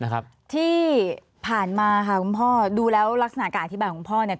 ที่ผ่านมาค่ะคุณพ่อดูแล้วลักษณะการอธิบายของพ่อเนี่ย